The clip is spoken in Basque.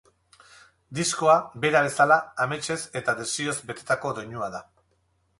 Diskoa bera bezala, ametsez eta desioz betetako doinua da.